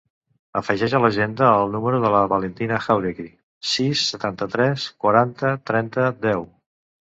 Afegeix a l'agenda el número de la Valentina Jauregi: sis, setanta-tres, quaranta, trenta, deu.